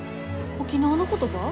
沖縄の言葉？